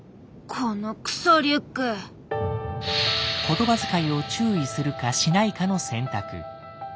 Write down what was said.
言葉遣いを注意するかしないかの選択。